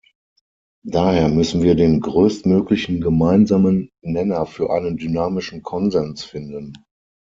Daher müssen wir den größtmöglichen gemeinsamen Nenner für einen dynamischen Konsens finden.